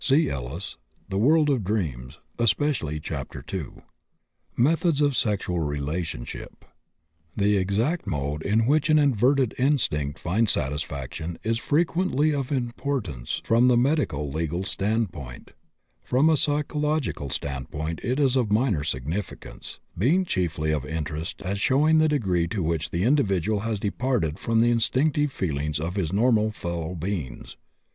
(See Ellis, The World of Dreams, especially ch. ii.) Methods of Sexual Relationship. The exact mode in which an inverted instinct finds satisfaction is frequently of importance from the medico legal standpoint; from a psychological standpoint it is of minor significance, being chiefly of interest as showing the degree to which the individual has departed from the instinctive feelings of his normal fellow beings.